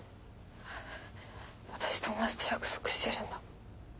私友達と約束してるんだ。